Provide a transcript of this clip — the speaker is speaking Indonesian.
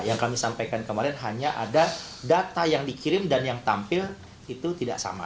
yang kami sampaikan kemarin hanya ada data yang dikirim dan yang tampil itu tidak sama